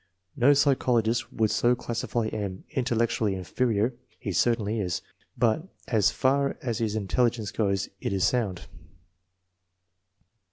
No psychologist would so classify M. Intellectually inferior he certainly is, but as far as his intelli gence goes, it is sound.